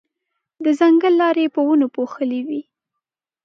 د ځنګل لارې په ونو پوښلې وې.